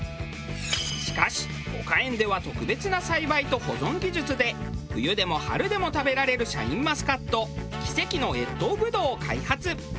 しかし五果苑では特別な栽培と保存技術で冬でも春でも食べられるシャインマスカット奇跡の越冬ぶどうを開発。